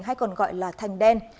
hay còn gọi là thành đen